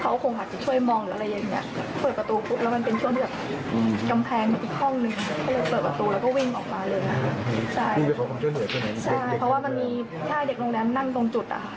เพราะว่ามีใช่เด็กโรงแรมนั่งตรงจุด